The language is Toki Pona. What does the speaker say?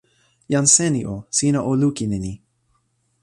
jan Seni o, sina o lukin e ni.